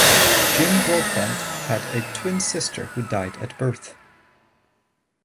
Jim Broadbent had a twin sister who died at birth.